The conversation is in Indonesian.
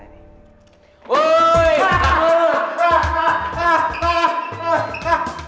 hei makanannya cepet bu